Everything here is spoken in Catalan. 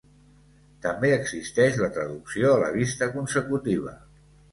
També existeix la traducció a la vista consecutiva.